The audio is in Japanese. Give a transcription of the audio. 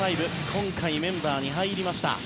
今回、メンバーに入りました